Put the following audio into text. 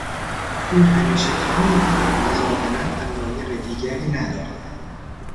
او همیشه کار میکند و ظاهرا علایق دیگری ندارد.